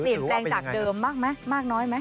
เปลี่ยนแรงจากเดิมมากน้อยไหม